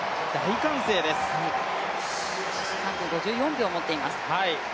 ３分５４秒を持っています。